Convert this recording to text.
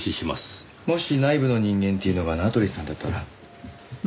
もし内部の人間っていうのが名取さんだったら？